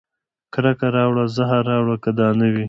کرکه راوړه زهر راوړه که دا نه وي